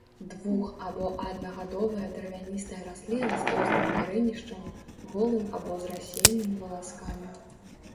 Двух- або аднагадовая травяністая расліна з тоўстым карэнішчам, голым або з рассеянымі валаскамі.